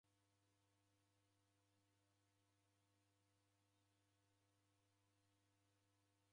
Kuseide imbiri ya ndeo kusene shuka.